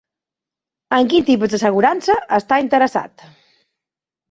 En quin tipus d'assegurança està interessat?